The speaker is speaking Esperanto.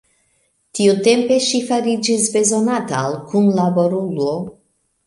Tiutempe ŝi fariĝis bezonata al kunlaborulo.